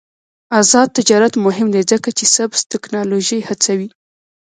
آزاد تجارت مهم دی ځکه چې سبز تکنالوژي هڅوي.